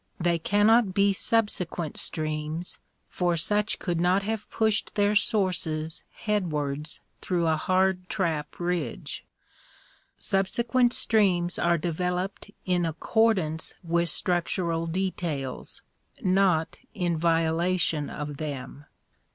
They cannot be subsequent streams, for such could not have pushed their sources headwards through a hard trap ridge. Subsequent streams are developed in accordance with structural details, not in violation of them.